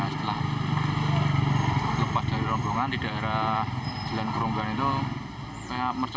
kepada taufan pulung sunggoro yogyakarta